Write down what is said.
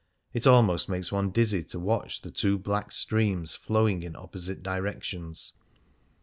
It almost makes one dizzy to watch the two black streams flowing in opposite directions.